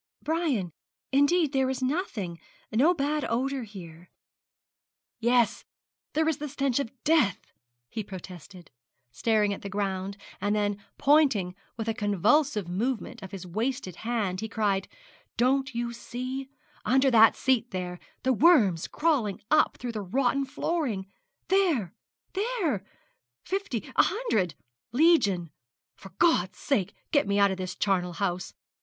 'Brian, indeed there is nothing no bad odour here.' 'Yes, there is the stench of death,' he protested, staring at the ground, and then pointing with a convulsive movement of his wasted hand he cried, 'Don't you see, under that seat there, the worms crawling up through the rotten flooring, there? there! fifty a hundred legion. For God's sake get me out of this charnel house!